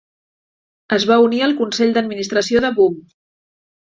Es va unir al consell d'administració de Boom!